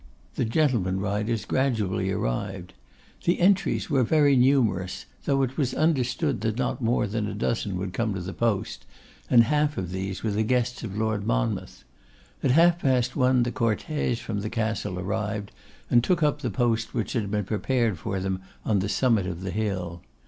The 'gentlemen riders' gradually arrived. The entries were very numerous, though it was understood that not more than a dozen would come to the post, and half of these were the guests of Lord Monmouth. At half past one the cortège from the Castle arrived, and took up the post which had been prepared for them on the summit of the hill.